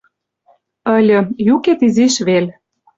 Ыльы: юкет изиш вел